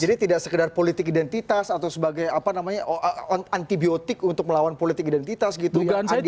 jadi tidak sekedar politik identitas atau sebagai antibiotik untuk melawan politik identitas gitu